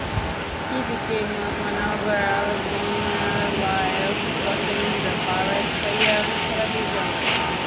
He became a fan of Earl Monroe while watching the Bullets player on television.